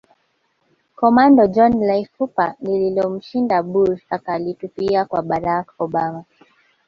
Commando John Lile fupa lililomshinda Bush akalitupia kwa Barack Obama